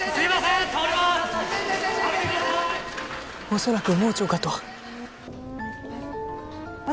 恐らく盲腸かと私